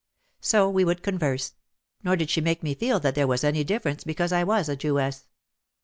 So we would converse ; nor did she make me feel that there was any difference because I was a Jewess.